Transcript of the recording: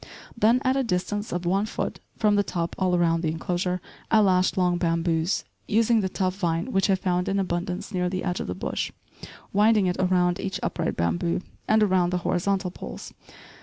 Then, at a distance of one foot from the top all around the enclosure, I lashed long bamboos, using the tough vine which I found in abundance near the edge of the bush, winding it around each upright bamboo, and around the horizontal poles.